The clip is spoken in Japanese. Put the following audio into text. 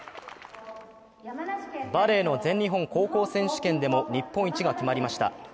バレーの全日本高校選手権でも日本一が決まりました。